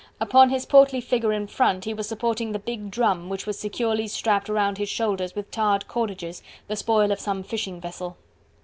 Upon his portly figure in front he was supporting the big drum, which was securely strapped round his shoulders with tarred cordages, the spoil of some fishing vessel.